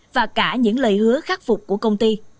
và cả những lời hứa khắc phục của công ty